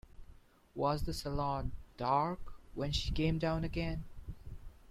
Was the salon dark when she came down again?